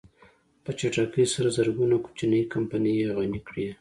په چټکۍ سره زرګونه کوچنۍ کمپنۍ يې غني کړې.